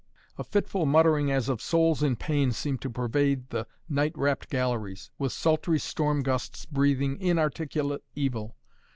A fitful muttering as of souls in pain seemed to pervade the night wrapped galleries, with sultry storm gusts breathing inarticulate evil.